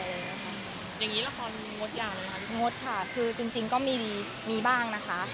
อย่างงี้ละครงดอย่างไรคะงดค่ะคือจริงจริงก็มีมีบ้างนะคะ